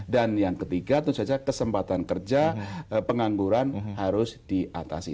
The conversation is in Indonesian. dan yang ketiga terus saja kesempatan kerja pengangguran harus diatasi